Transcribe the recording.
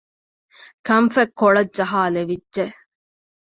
ކަންފަތް ކޮޅަށް ޖަހައިލެވިއްޖެ